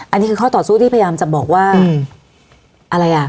อันนี้คือข้อต่อสู้ที่พยายามจะบอกว่าอะไรอ่ะ